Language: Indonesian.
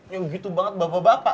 ya gitu banget bapa bapak